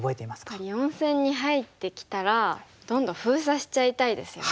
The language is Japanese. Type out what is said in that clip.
やっぱり４線に入ってきたらどんどん封鎖しちゃいたいですよね。